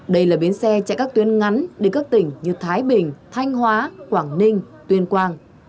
đây là bến xe chạy các tuyến ngắn đi các tỉnh như thái bình thanh hóa quảng ninh tuyên quang